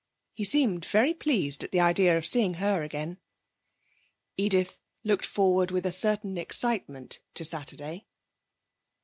He seemed very pleased at the idea of seeing her again. Edith looked forward with a certain excitement to Saturday.